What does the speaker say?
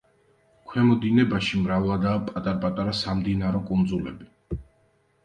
ქვემო დინებაში მრავლადაა პატარ-პატარა სამდინარო კუნძულები.